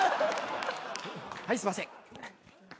はいすいません。